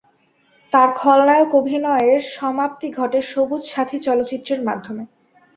তার খলনায়ক অভিনয়ের সমাপ্তি ঘটে ‘সবুজ সাথী’ চলচ্চিত্রের মাধ্যমে।